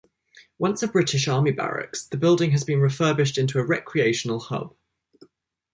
Once a British army barracks, the building has been refurbished into a recreational hub.